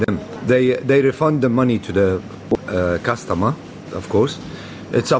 mereka menghubungi uang kepada pelanggan